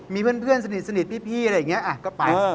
มีเพื่อนสนิทพี่อะไรอย่างนี้ก็ไป